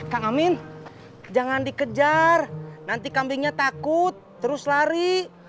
kang amin jangan dikejar nanti kambingnya takut terus lari